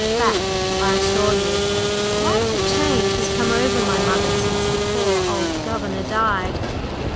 Fact, I assure you! Quite a change has come over my mother since the poor old governor died!"